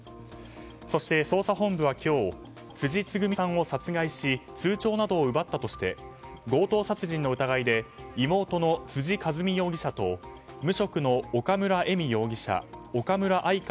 そして、捜査本部は今日辻つぐみさんを殺害し通帳などを奪ったとして強盗殺人の疑いで妹の辻和美容疑者と無職の岡村恵美容疑者岡村愛香